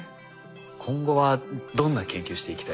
今後はどんな研究していきたいですか？